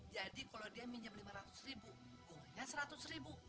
jadi kalau dia pinjam lima ratus ribu bunganya seratus ribu